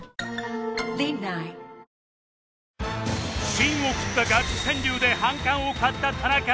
芯を食ったガチ川柳で反感を買った田中